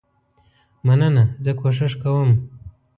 مننه زه کوشش کوم.